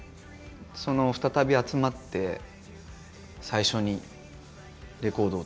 その再び集まって最初にレコードを作る。